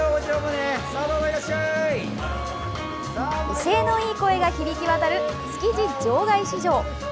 威勢のいい声が響きわたる築地場外市場。